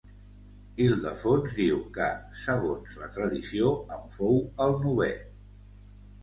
Ildefons diu que, segons, la tradició, en fou el novè.